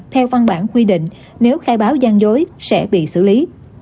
theo văn bản quy định nếu khai báo gian dối sẽ bị xử lý